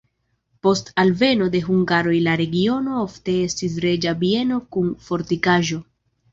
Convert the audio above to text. Post alveno de hungaroj la regiono ofte estis reĝa bieno kun fortikaĵo.